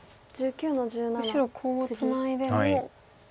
これ白コウをツナいでも。